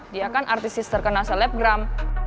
dia kan artis sister kena selebgram